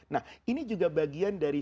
nah ini juga bagian dari